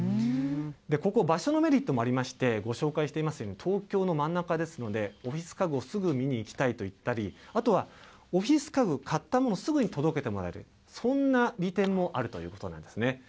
ここ、場所のメリットもありまして、ご紹介していますように、東京の真ん中ですので、オフィス家具をすぐ見に行きたいといったり、あとはオフィス家具を買ったもの、すぐに届けてもらえる、そんな利点もあるということなんですね。